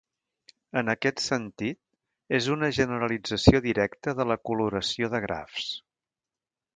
En aquest sentit, és una generalització directa de la coloració de grafs.